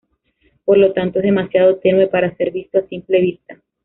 Por lo tanto, es demasiado tenue para ser visto a simple vista.